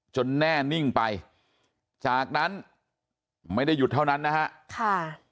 แน่นิ่งไปจากนั้นไม่ได้หยุดเท่านั้นนะฮะค่ะ